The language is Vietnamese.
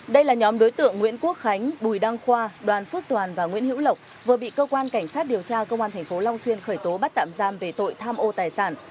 đây là nhóm đối tượng nguyễn quốc khánh bùi đăng khoa đoàn phước toàn và nguyễn hữu lộc vừa bị cơ quan cảnh sát điều tra công an tp long xuyên khởi tố bắt tạm giam về tội tham ô tài sản